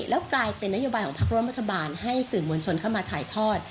แล้วกลายเป็นนโยบายของพักร่วมรัฐบาลให้สื่อมวลชนเข้ามาถ่ายทอด